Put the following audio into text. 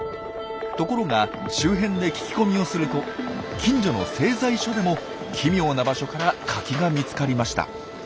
ところが周辺で聞き込みをすると近所の製材所でも奇妙な場所からカキが見つかりました。